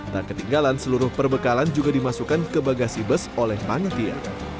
tak ketinggalan seluruh perbekalan juga dimasukkan ke bagasi bus oleh panitia